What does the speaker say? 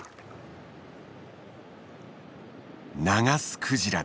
ナガスクジラだ。